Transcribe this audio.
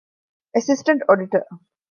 އެސިސްޓެންްޓް އޮޑިޓަރ